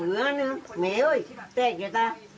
อื้มมบ่อยเขา